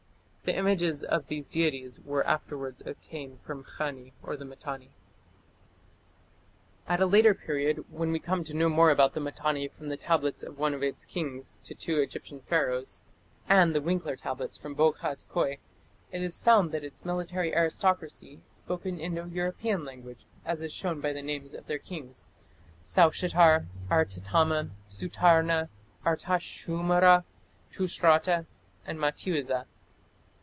The images of these deities were afterwards obtained from Khani (Mitanni). At a later period, when we come to know more about Mitanni from the letters of one of its kings to two Egyptian Pharaohs, and the Winckler tablets from Bog haz Köi, it is found that its military aristocracy spoke an Indo European language, as is shown by the names of their kings Saushatar, Artatama, Sutarna, Artashshumara, Tushratta, and Mattiuza.